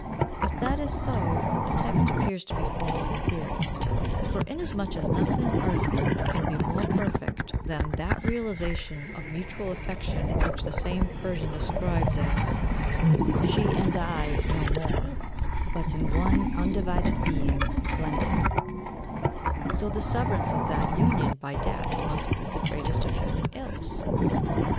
If that is so, then the text appears to be false in theory, for, inasmuch as nothing earthly can be more perfect than that realisation of mutual affection which the same Persian describes as "She and I no more, But in one Undivided Being blended," so the severance of that union by death must be the greatest of human ills.